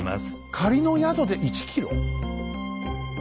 仮の宿で１キロ？